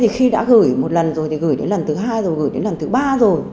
khi đã gửi một lần rồi thì gửi đến lần thứ hai rồi gửi đến lần thứ ba rồi